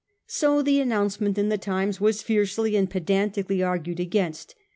So the announcement in the Times was fiercely and pedantically argued against.